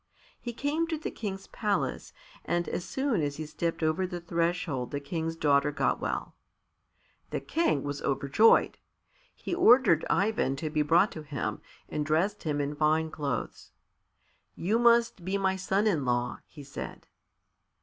He came to the King's palace, and as soon as he stepped over the threshold the King's daughter got well. The King was overjoyed. He ordered Ivan to be brought to him, and dressed him in fine clothes. "You must be my son in law," he said.